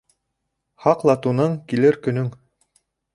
Һаҡла туның, килер көнөң.